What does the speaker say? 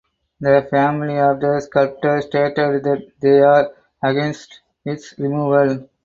The family of the sculptor stated that they are against its removal.